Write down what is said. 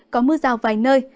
có mưa rào vài nơi